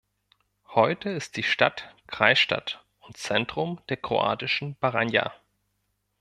Heute ist die Stadt Kreisstadt und Zentrum der kroatischen Baranja.